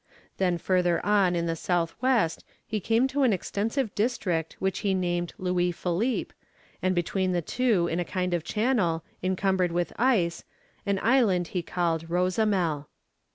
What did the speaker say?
Then further on in the south west he came to an extensive district which he named Louis Philippe, and between the two in a kind of channel, encumbered with ice, an island he called Rosamel.